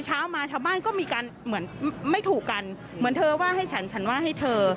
เช้ามาชาวบ้านก็มีการเหมือนไม่ถูกกันเหมือนเธอว่าให้ฉันฉันว่าให้เธอ